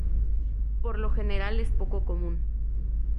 Por lo general es poco común.